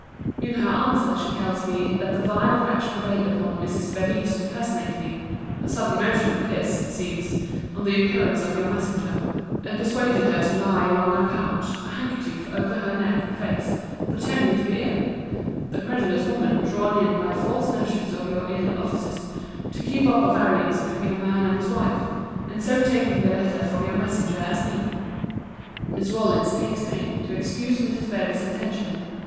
In her answer, she tells me, 'that the vile wretch prevailed upon Mrs. Bevis to personate me, [a sudden motion of his, it seems, on the appearance of your messenger,] and persuaded her to lie along a couch: a handkerchief over her neck and face; pretending to be ill; the credulous woman drawn in by false notions of your ill offices to keep up a variance between a man and his wife—and so taking the letter from your messenger as me. 'Miss Rawlins takes pains to excuse Mrs. Bevis's intention.